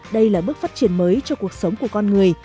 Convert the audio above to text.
đây là bước phát triển mới cho cuộc sống của con người